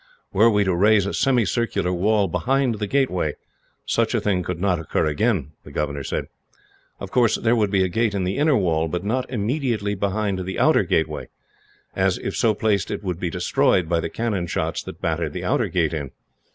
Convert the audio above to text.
Were we to raise a semicircular wall behind the gateway, such a thing could not occur again," the governor said. "Of course, there would be a gate in the inner wall, but not immediately behind the outer gateway as, if so placed, it might be destroyed by the cannon shots that battered the outer gate in.